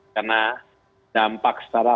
karena dampak setara